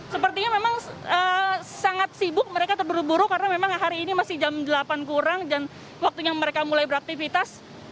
sepertinya memang sangat sibuk mereka terburu buru karena memang hari ini masih jam delapan kurang dan waktunya mereka mulai beraktivitas